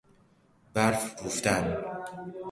برف روفتن